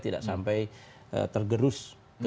tidak sampai tergerus